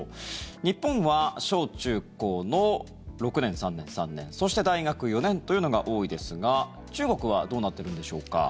日本は小中高の６年、３年、３年そして大学４年というのが多いですが中国はどうなっているんでしょうか。